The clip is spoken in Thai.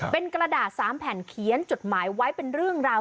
เป็นกระดาษ๓แผ่นเขียนจดหมายไว้เป็นเรื่องราว